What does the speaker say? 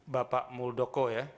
bapak muldoko ya